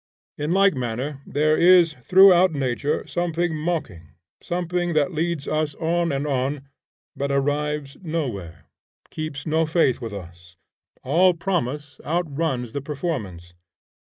In like manner, there is throughout nature something mocking, something that leads us on and on, but arrives nowhere; keeps no faith with us. All promise outruns the performance.